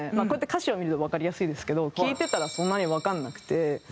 こうやって歌詞を見るとわかりやすいですけど聴いてたらそんなにわかんなくて。